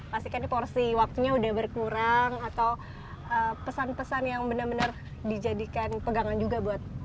pastikan porsi waktunya udah berkurang atau pesan pesan yang benar benar dijadikan pegangan juga buat